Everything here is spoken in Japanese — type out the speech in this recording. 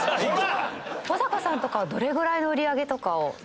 保阪さんとかはどれぐらいの売り上げとかを？